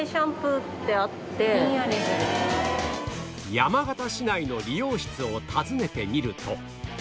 山形市内の理容室を訪ねてみると